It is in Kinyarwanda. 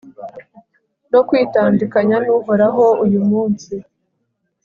no kwitandukanya n'uhoraho uyu munsi